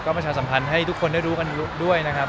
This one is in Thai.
ประชาสัมพันธ์ให้ทุกคนได้รู้กันด้วยนะครับ